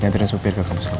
nantikan supir ke kampus kamu